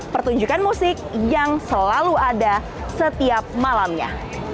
pertunjukan musik yang selalu ada setiap malamnya